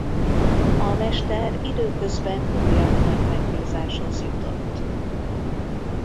A mester időközben újabb nagy megbízáshoz jutott.